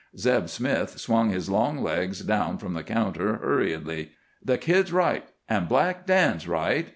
Zeb Smith swung his long legs down from the counter hurriedly. "The kid's right, an' Black Dan's right.